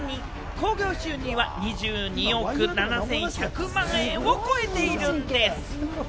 興行収入は２２億７１００万円を超えているんでぃす。